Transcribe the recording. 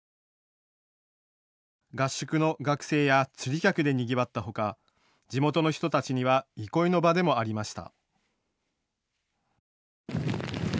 合宿の学生や釣り客でにぎわったほか地元の人たちには憩いの場でもありました。